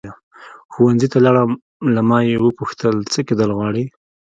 ښوونځي ته لاړم له ما یې وپوښتل څه کېدل غواړې.